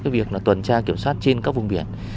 việc tuần tra kiểm soát trên các vùng biển